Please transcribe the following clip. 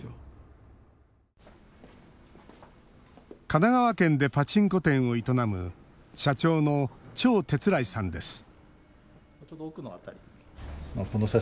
神奈川県でパチンコ店を営む社長の趙哲来さんです